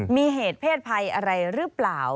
มีเหตุเพศภัยอะไรหรือเปล่า